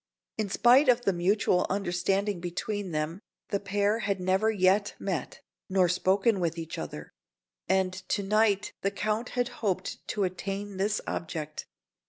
[Illustration: ROSSINI] In spite of the mutual understanding between them, the pair had never yet met, nor spoken with each other; and to night the Count had hoped to attain this object.